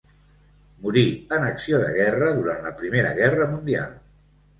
Morí en acció de guerra durant la Primera Guerra Mundial.